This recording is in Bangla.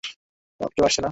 তাহলে, কেউ আসছে না?